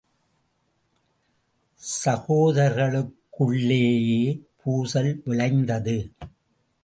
சகோதரர்களுக்குள்ளேயே பூசல் விளைந்தது.